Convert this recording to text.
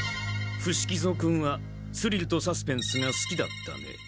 伏木蔵君はスリルとサスペンスがすきだったね。